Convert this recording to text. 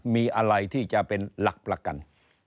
มีอะไรที่จะเป็นหลักประกัน